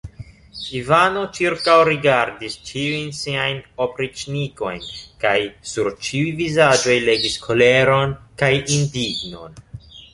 Ivano ĉirkaŭrigardis ĉiujn siajn opriĉnikojn kaj sur ĉiuj vizaĝoj legis koleron kaj indignon.